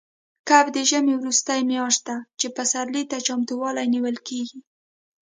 کب د ژمي وروستۍ میاشت ده، چې پسرلي ته چمتووالی نیول کېږي.